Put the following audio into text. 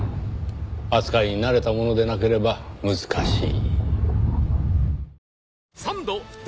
扱いに慣れた者でなければ難しい。